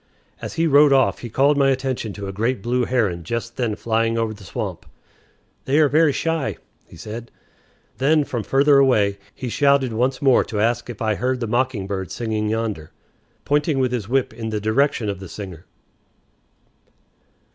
As he rode off he called my attention to a great blue heron just then flying over the swamp. "They are very shy," he said. Then, from further away, he shouted once more to ask if I heard the mocking bird singing yonder, pointing with his whip in the direction of the singer.